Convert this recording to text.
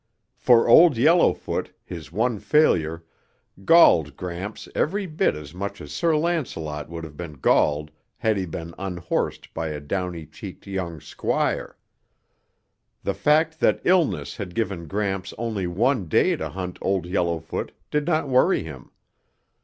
For Old Yellowfoot, his one failure, galled Gramps every bit as much as Sir Lancelot would have been galled had he been unhorsed by a downy cheeked young squire. The fact that illness had given Gramps only one day to hunt Old Yellowfoot did not worry him.